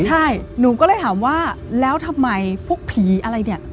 ใช่หนูก็เลยถามว่าแล้วทำไมพวกผีอะไรเนี่ย